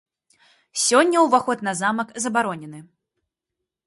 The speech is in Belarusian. Сёння ўваход на замак забаронены.